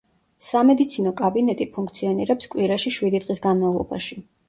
სამედიცინო კაბინეტი ფუნქციონირებს კვირაში შვიდი დღის განმავლობაში.